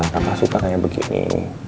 kakak suka kayak begini